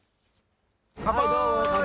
乾杯。